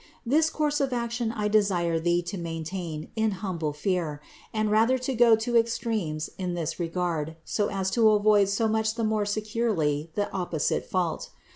This course of action I desire thee to maintain in humble fear, and rather to go to extremes in this regard so as to avoid so much the more securely the opposite fault.